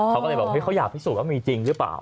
เขาก็เลยบอกเขาอยากพิสูจน์ว่ามีจริงหรือเปล่า